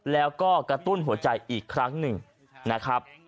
แล้วก็กระตุ้นหัวใจอีกครั้งหนึ่งนะครับ